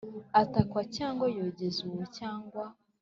ataka cyangwa yogeza uwo cyangwa